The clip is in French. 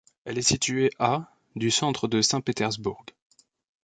Elle est située à du centre de Saint-Pétersbourg.